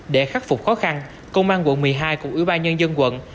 để khắc phục khó khăn công an quận một mươi hai cùng ủy ban nhân dân quận